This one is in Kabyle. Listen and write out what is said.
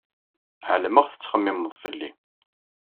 Ɛelmeɣ tettxemmimeḍ fell-i.